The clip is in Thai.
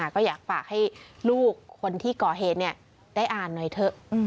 ก็อยากฝากให้ลูกคนที่ก่อเหตุได้อ่านหน่อยเถอะ